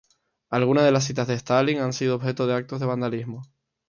Algunas de las citas de Stalin han sido objeto de actos de vandalismo.